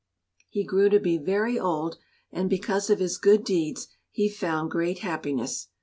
He grew to be very old, and because of his good deeds he found great happiness.